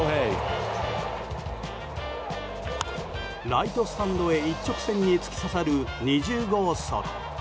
ライトスタンドへ一直線に突き刺さる２０号ソロ。